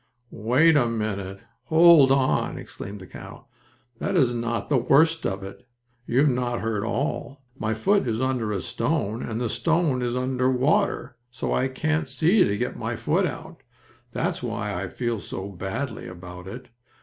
"Wait a minute! Hold on!" exclaimed the cow. "That is not the worst of it! You have not heard all! My foot is under a stone, and the stone is under water, so I can't see to get my foot out. That's why I feel so badly about it.